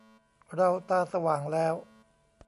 เราตาสว่างแล้ว